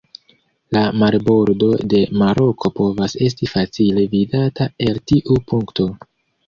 La marbordo de Maroko povas esti facile vidata el tiu punkto.